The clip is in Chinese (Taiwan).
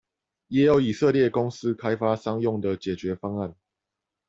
也有以色列公司開發商用的解決方案